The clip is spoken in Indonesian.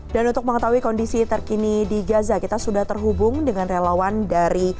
dan untuk mengetahui kondisi terkini di gaza kita sudah terhubung dengan relawan dari